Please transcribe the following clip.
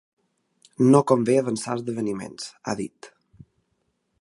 No convé avançar esdeveniments, ha dit.